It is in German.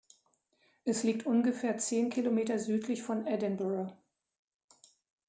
Es liegt ungefähr zehn Kilometer südlich von Edinburgh.